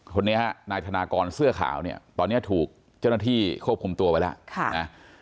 คนนี้ฮะนายธนากรเสื้อขาวเนี่ยตอนนี้ถูกเจ้าหน้าที่ควบคุมตัวไว้แล้วนะ